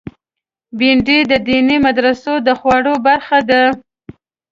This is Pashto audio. بېنډۍ د دیني مدرسو د خواړو برخه ده